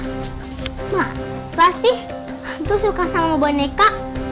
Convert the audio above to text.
iya masa sih hantu suka sama boneka